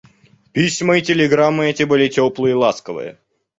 Письма и телеграммы эти были теплые и ласковые.